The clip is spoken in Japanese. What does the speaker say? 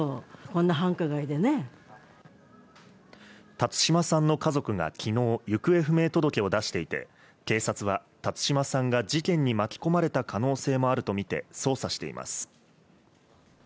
辰島さんの家族がきのう、行方不明届を出していて、警察は辰島さんが事件に巻き込まれた可能性もあるとみて捜査しています。